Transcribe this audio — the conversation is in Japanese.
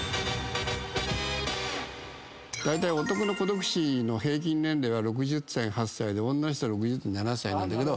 だいたい男の孤独死の平均年齢は６０．８歳で女の人は６０．７歳なんだけど。